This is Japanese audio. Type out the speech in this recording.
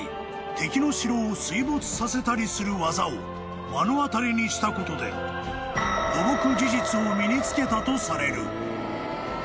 ［させたりする技を目の当たりにしたことで土木技術を身に付けたとされる］